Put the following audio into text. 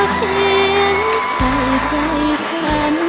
ก็ใช้ความค่าถึงความสุขทุกท่าค่ะขอบคุณทุกคน